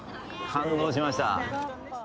感動しました。